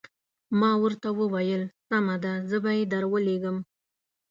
ما ورته وویل سمه ده زه به یې درولېږم.